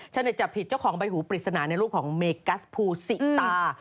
เน็ตจับผิดเจ้าของใบหูปริศนาในรูปของเมกัสภูสิตา